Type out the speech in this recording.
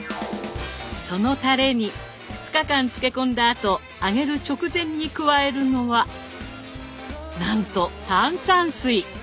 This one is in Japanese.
そのたれに２日間漬け込んだあと揚げる直前に加えるのはなんと炭酸水。